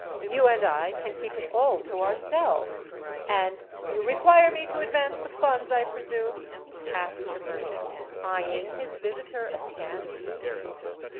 You and I can keep it all to ourselves; and——" "You require me to advance the funds, I presume?" asked the merchant, eyeing his visitor askance.